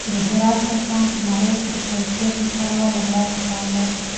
د هرات زعفران په نړۍ کې د کیفیت له پلوه لومړی مقام لري.